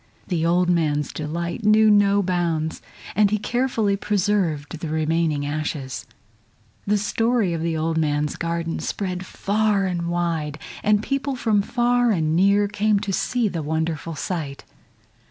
The old man's delight knew no bounds, and he carefully preserved the remaining ashes. The story of the old man's garden spread far and wide, and people from far and near came to see the wonderful sight.